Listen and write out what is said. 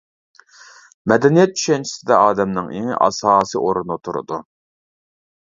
مەدەنىيەت چۈشەنچىسىدە ئادەمنىڭ ئېڭى ئاساسىي ئورۇندا تۇرىدۇ.